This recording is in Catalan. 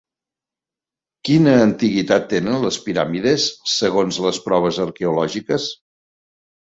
Quina antiguitat tenen les piràmides segons les proves arqueològiques?